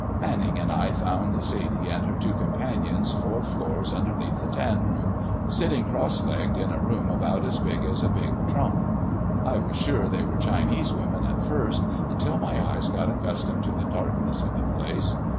Manning and I found Sadie and her two companions four floors underneath the tan room, sitting cross legged in a room about as big as a big trunk. I was sure they were Chinese women at first, until my eyes got accustomed to the darkness of the place.